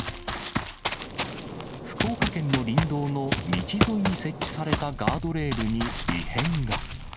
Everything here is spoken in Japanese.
福岡県の林道の道沿いに設置されたガードレールに異変が。